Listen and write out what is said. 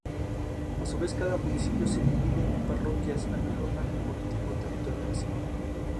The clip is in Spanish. A su vez cada municipio se divide en parroquias, el menor rango político-territorial asignado.